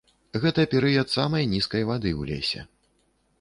Гэта перыяд самай нізкай вады ў лесе.